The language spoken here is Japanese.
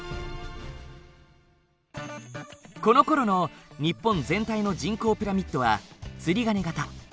このころの日本全体の人口ピラミッドはつりがね型。